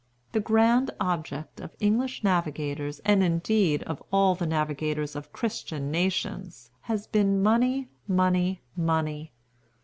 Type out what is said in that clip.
The grand object of English navigators, and indeed of all the navigators of Christian nations, has been money, money, money.